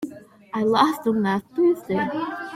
I lost them last Thursday.